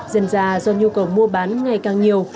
dần ra do nhu cầu mua bán ngày càng nhiều